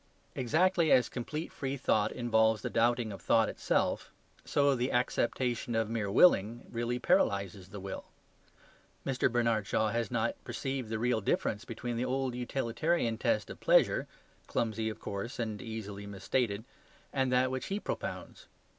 Exactly as complete free thought involves the doubting of thought itself, so the acceptation of mere "willing" really paralyzes the will. Mr. Bernard Shaw has not perceived the real difference between the old utilitarian test of pleasure (clumsy, of course, and easily misstated) and that which he propounds.